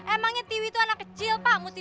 emangnya tiwi tuh udah jalan jalan sama kita